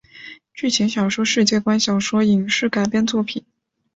剧情小说世界观小说影视改编作品